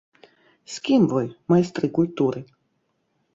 З кім вы, майстры культуры?